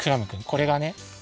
これがね